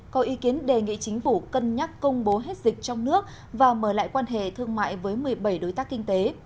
có ý kiến đề nghị chính phủ cân nhắc công bố hết dịch trong nước và mở lại quan hệ thương mại với một mươi bảy đối tác kinh tế